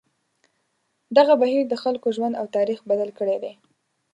دغه بهیر د خلکو ژوند او تاریخ بدل کړی دی.